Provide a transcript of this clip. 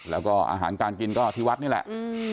แล้วก็อาหารการกินก็ที่วัดนี่แหละ